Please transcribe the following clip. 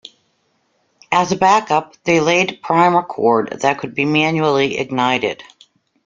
As a backup, they laid primer cord that could be manually ignited.